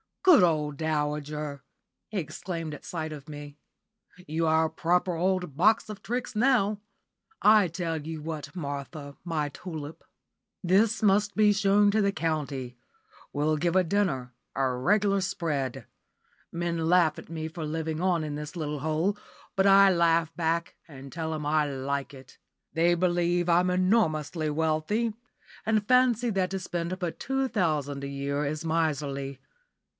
"Good old dowager!" he exclaimed at sight of me, "we are a proper old box of tricks now! I tell you what, Martha, my tulip: this must be shown to the county. We'll give a dinner a regular spread. Men laugh at me for living on in this little hole, but I laugh back, and tell 'em I like it. They believe I'm enormously wealthy, and fancy that to spend but two thousand a year is miserly.